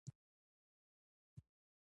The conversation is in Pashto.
عامه خلک باید له ژبې سره مینه ولري.